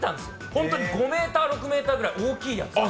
本当に５ｍ、６ｍぐらい、大きいやつ。